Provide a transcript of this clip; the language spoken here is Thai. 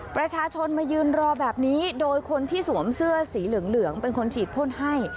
ประชาชนมายืนรอแบบนี้โดยคนที่สวมเสื้อสีเหลืองเป็นคนฉีดพ่นให้